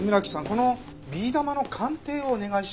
このビー玉の鑑定をお願いします。